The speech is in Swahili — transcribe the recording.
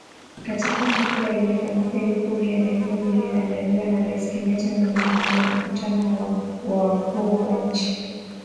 katika hafla iliyofanyika Ikulu ya Nairobi iliyoandaliwa na Rais Kenyatta mwenyeji wa mkutano wa wakuu wa nchi